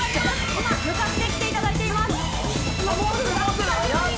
今向かってきていただいています。